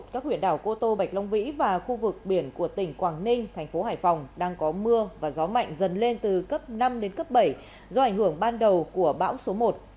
các huyện đảo cô tô bạch long vĩ và khu vực biển của tỉnh quảng ninh thành phố hải phòng đang có mưa và gió mạnh dần lên từ cấp năm đến cấp bảy do ảnh hưởng ban đầu của bão số một